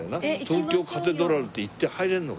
東京カテドラルって行って入れるのかね？